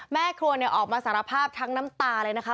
แม่ครัวออกมาสารภาพทั้งน้ำตาเลยนะคะ